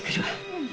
うん。